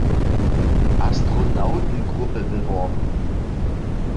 Astronautengruppe beworben.